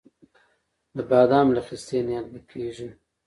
د بادام له خستې نیالګی کیږي؟